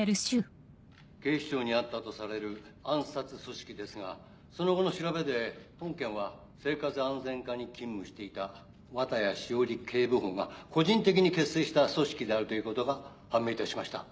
警視庁にあったとされる暗殺組織ですがその後の調べで本件は生活安全課に勤務していた綿谷詩織警部補が個人的に結成した組織であるということが判明いたしました。